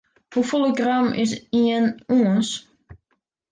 Hoefolle gram is ien ûns?